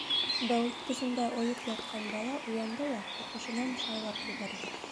Бәүелткесендә ойоп ятҡан бала уянды ла ҡурҡышынан шайлап ебәрҙе.